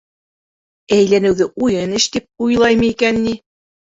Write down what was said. Әйләнеүҙе уйын эш тип уйлаймы икән ни?!